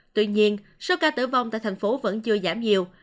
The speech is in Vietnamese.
tuy nhiên số ca tử vong tại tp hcm vẫn chưa giảm nhiều